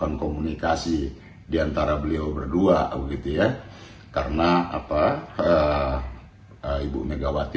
yang memudahkanreadieron channel review di rumah dengan seolu lagi